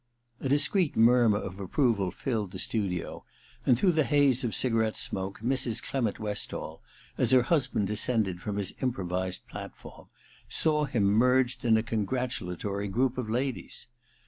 ^ A discreet murmur of approval filled the studio, and through the haze of cigarette smoke Mrs. Clement Westall, as her husband descended from his improvised platform, saw him merged in a congratulatory group of ladies.